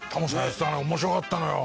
面白かったのよ。